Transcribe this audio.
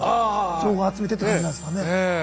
情報集めてって感じなんですかね。